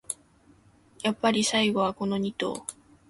やっぱり最後はこのニ頭